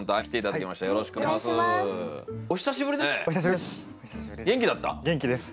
お久しぶりですね。